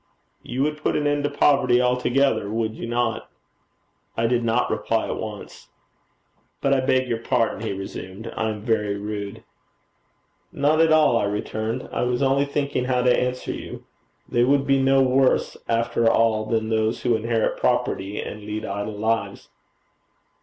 'You would put an end to poverty altogether, would you not?' I did not reply at once. 'But I beg your pardon,' he resumed; 'I am very rude.' 'Not at all,' I returned. 'I was only thinking how to answer you. They would be no worse after all than those who inherit property and lead idle lives.'